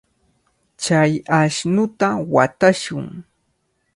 Chay ashnuta watashun.